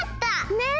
ねえ！